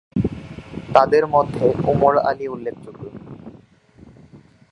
তাদের মধ্যে ওমর আলী উল্লেখযোগ্য।